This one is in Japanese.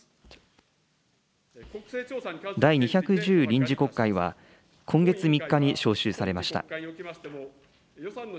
第２１０臨時国会は、今月３日に召集されました。